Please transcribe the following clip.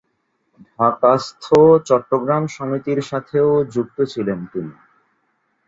ঢাকাস্থ চট্টগ্রাম সমিতির সাথেও যুক্ত ছিলেন তিনি।